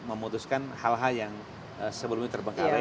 memutuskan hal hal yang sebelumnya terbengkalai